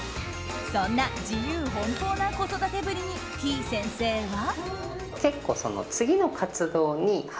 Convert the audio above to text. そんな自由奔放な子育てぶりにてぃ先生は。